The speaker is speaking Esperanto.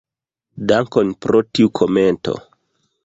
Dankon pro tiu komento.